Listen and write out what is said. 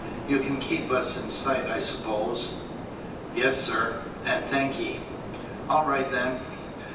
You can keep us in sight, I suppose? "Yes, sir, and thank ye." "All right, then."